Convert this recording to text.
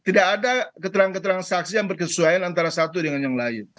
terus ada lagi beberapa kesaksian yang berkesesuaian antara satu dengan yang lain